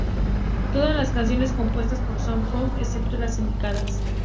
Todas las canciones compuestas por Faust, excepto las indicadas.